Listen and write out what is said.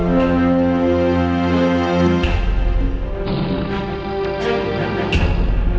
masih di daftar